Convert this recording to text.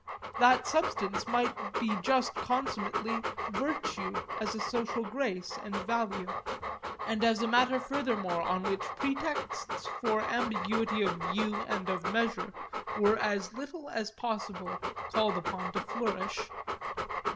That substance might be just consummately Virtue, as a social grace and value and as a matter furthermore on which pretexts for ambiguity of view and of measure were as little as possible called upon to flourish.